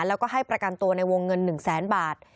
แล้วก็ให้ประกันตัวในวงเงิน๑แสนบาท